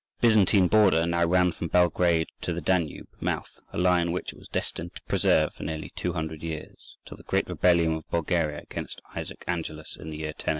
The Byzantine border now ran from Belgrade to the Danube mouth, a line which it was destined to preserve for nearly two hundred years, till the great rebellion of Bulgaria against Isaac Angelus in the year 1086.